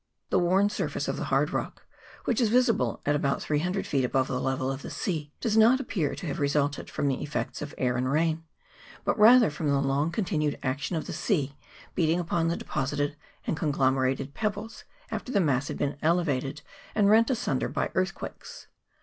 The worn surface of the hard rock, which is visible at about 300 feet above the level of the sea, does net appear to have resulted from the effects of air and rain, but rather from the long continued action of the sea beating upon the deposited and conglomerated pebbles after the mass had been elevated and rent asunder by earth quakes.